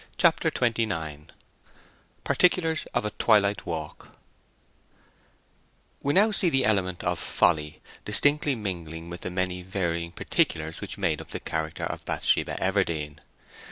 CHAPTER XXIX PARTICULARS OF A TWILIGHT WALK We now see the element of folly distinctly mingling with the many varying particulars which made up the character of Bathsheba Everdene.